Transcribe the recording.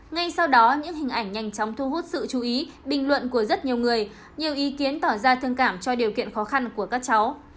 ngay sau đó những hình ảnh nhanh chóng thu hút sự chú ý bình luận của rất nhiều người nhiều ý kiến tỏ ra thương cảm cho điều kiện khó khăn của các cháu